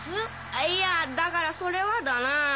あいやだからそれはだなあ。